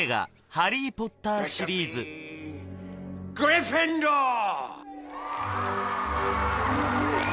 「ハリー・ポッター」シリーズグリフィンドール！